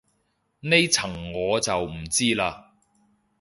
呢層我就唔知嘞